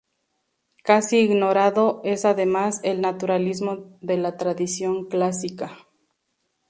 Casi ignorado, es además, el naturalismo de la tradición clásica.